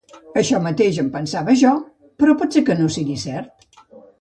Això mateix em pensava jo, però pot ser que no sigui cert.